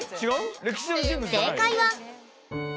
正解は。